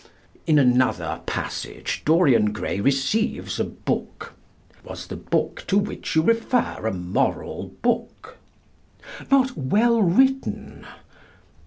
In another passage Dorian Gray receives a book. Was the book to which you refer a moral book? Not well written?